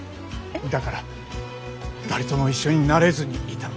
だから誰とも一緒になれずにいた。